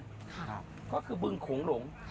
ก็คือเบื้องโขงโหลง